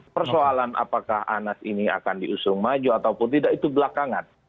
persoalan apakah anas ini akan diusung maju ataupun tidak itu belakangan